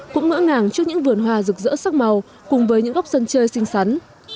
cũng ngỡ ngàng trước những vườn hoa rực rỡ sắc màu cùng với những góc sân chơi xinh xắn